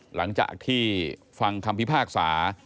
หลังจากที่ฟังคำพิพากษา